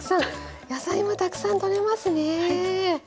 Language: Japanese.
野菜もたくさんとれますね。